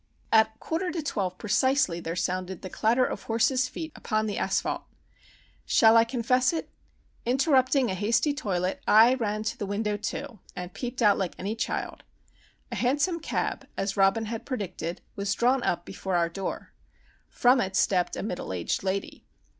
At quarter to twelve precisely there sounded the clatter of horses' feet upon the asphalt. Shall I confess it? Interrupting a hasty toilet I ran to the window, too, and peeped out like any child. A hansom cab, as Robin had predicted, was drawn up before our door. From it stepped a middle aged lady.